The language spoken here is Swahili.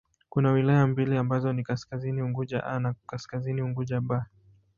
Kuna wilaya mbili ambazo ni Kaskazini Unguja 'A' na Kaskazini Unguja 'B'.